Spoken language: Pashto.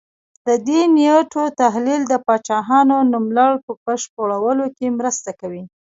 د دې نېټو تحلیل د پاچاهانو نوملړ په بشپړولو کې مرسته کوي